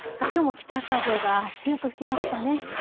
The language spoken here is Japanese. きょうも北風が強く吹きましたね。